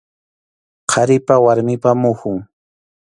Qharipa warmipa muhun.